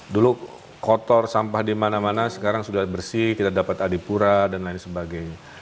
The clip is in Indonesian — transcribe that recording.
dulu kotor sampah di mana mana sekarang sudah bersih kita dapat adipura dan lain sebagainya